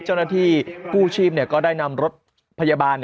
เจ้าหน้าที่กู้ชีพก็ได้นำรถพยาบาล